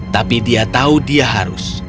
tapi dia tahu dia harus